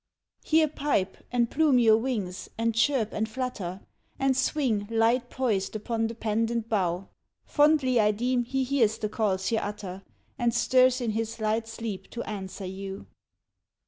Here pipe, and plume your wings, and chirp and flutter, And swing, light poised upon the pendant bough; Fondly I deem he hears the calls ye utter, And stirs in his light sleep to answer you.